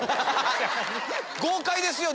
豪快ですよ。